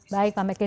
baik pak melki